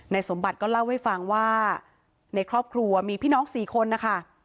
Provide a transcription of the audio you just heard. สมบัติก็เล่าให้ฟังว่าในครอบครัวมีพี่น้อง๔คนนะคะ